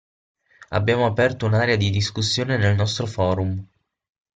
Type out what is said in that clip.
Abbiamo aperto un'area di discussione nel nostro forum.